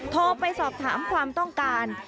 โทรไปสอบถามความต้องการ